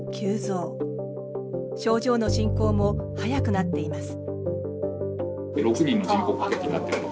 症状の進行も速くなっています。